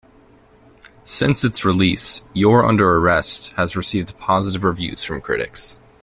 Since its release, "You're Under Arrest" has received positive reviews from critics.